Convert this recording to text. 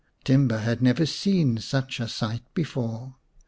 Timba had never seen such a sight before.